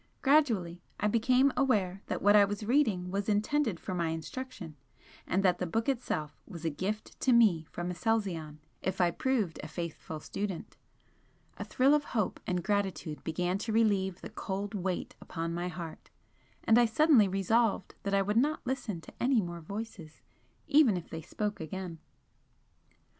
Gradually I became aware that what I was reading was intended for my instruction, and that the book itself was a gift to me from Aselzion if I proved a 'faithful student.' A thrill of hope and gratitude began to relieve the cold weight upon my heart, and I suddenly resolved that I would not listen to any more voices, even if they spoke again.